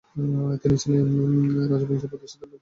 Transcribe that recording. তিনি ছিলেন পাল রাজবংশের প্রতিষ্ঠাতা গোপালের পুত্র ও উত্তরাধিকারী।